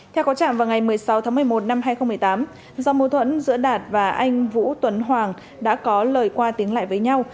theo có trạng vào ngày một mươi sáu tháng một mươi một năm hai nghìn một mươi tám do mâu thuẫn giữa đạt và anh vũ tuấn hoàng đã có lời qua tiếng lại với nhau